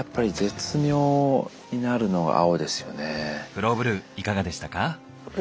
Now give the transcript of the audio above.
フローブルーいかがでしたか？